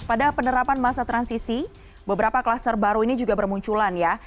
pada penerapan masa transisi beberapa klaster baru ini juga bermunculan ya